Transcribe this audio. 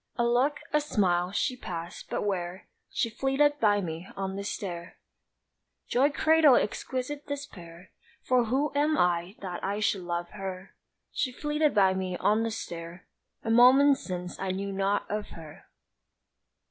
A look, a smile she passed! but where She flitted by me on the stair Joy cradled exquisite despair; For who am I that I should love her? She flitted by me on the stair A moment since I knew not of her!